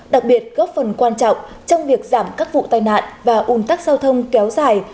đặc biệt góp phần quan trọng trong việc giảm các vụ tai nạn và ủn tắc giao thông kéo dài